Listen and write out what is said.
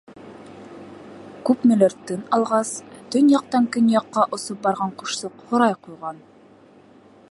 Күпмелер тын алғас, төньяҡтан көньяҡҡа осоп барған ҡошсоҡ һорай ҡуйған: